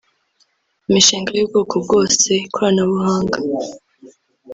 Imishinga y’ubwoko bwose (ikoranabuhanga